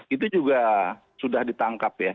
itu juga sudah ditangkap ya